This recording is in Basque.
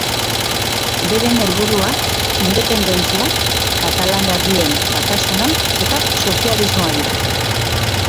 Beren helburuak independentzia, Katalan Herrien batasuna eta sozialismoa dira.